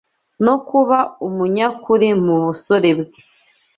no kuba umunyakuri mu busore bwe